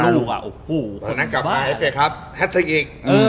แล้วนั่นกลับมาแฮททิกอีก